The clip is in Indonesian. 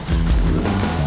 citu ang dois